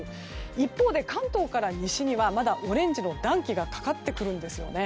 一方で関東から西にはまだオレンジの暖気がかかってくるんですよね。